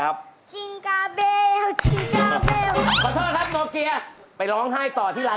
อะวันนี้อยู่